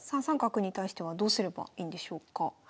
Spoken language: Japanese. ３三角に対してはどうすればいいんでしょうか？